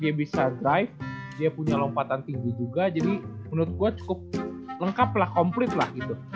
dia bisa nembak dia bisa drive dia punya lompatan tinggi juga jadi menurut gue cukup lengkaplah komplit lah gitu